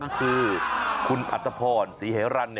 นี่คือคุณอัตพรศรีแหร่รันดร์